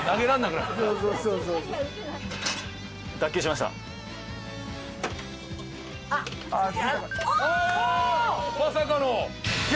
まさかの！